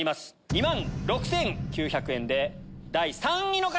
２万６９００円で第３位の方！